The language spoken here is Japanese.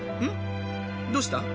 どうした？